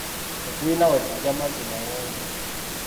Tetulina we tuggya mazzi mayonjo.